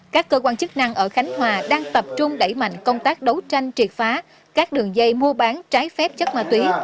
các cơ quan chức năng ở khánh hòa đang tập trung đẩy mạnh công tác đấu tranh triệt phá các đường dây mua bán trái phép chất ma túy